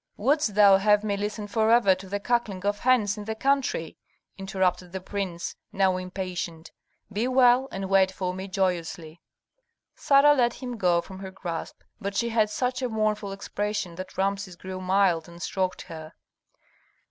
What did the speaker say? "Wouldst thou have me listen forever to the cackling of hens in the country?" interrupted the prince, now impatient. "Be well, and wait for me joyously." Sarah let him go from her grasp, but she had such a mournful expression that Rameses grew mild and stroked her.